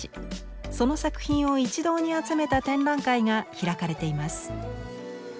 その作品を一堂に集めた展覧会が開かれています。